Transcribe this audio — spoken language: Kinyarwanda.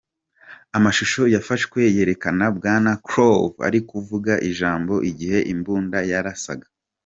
Amashusho yafashwe yerekana Bwana Karlov ari kuvuga ijambo igihe imbunda yarasaga.